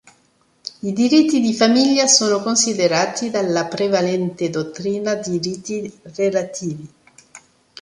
I diritti di famiglia sono considerati dalla prevalente dottrina diritti relativi.